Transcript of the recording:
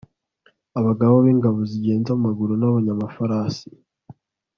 abagaba b'ingabo zigenza amaguru n'abanyamafarasi